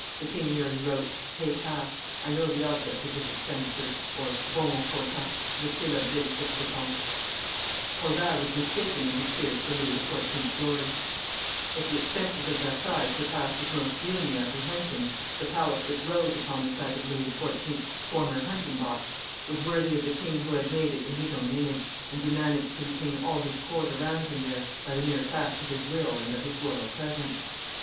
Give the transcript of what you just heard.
The king merely wrote, Pay cash; I know the object of this expenditure (Bon au comptant: je sais l'objet de cette depense).] [Illustration: Versailles 526] Colbert was mistaken in his fears for Louis XIV.'s glory; if the expenses of Versailles surpassed his most gloomy apprehensions, the palace which rose upon the site of Louis XIV.'s former hunting box was worthy of the king who had made it in his own image, and who managed to retain all his court around him there, by the mere fact of his will and of his royal presence.